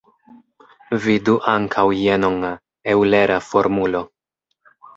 Vidu ankaŭ jenon: Eŭlera formulo.